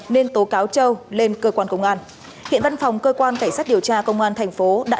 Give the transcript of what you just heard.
nên tố cáo châu lên cơ quan công an hiện văn phòng cơ quan cảnh sát điều tra công an thành phố đã